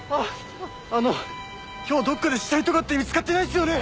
あの今日どっかで死体とかって見つかってないっすよね！？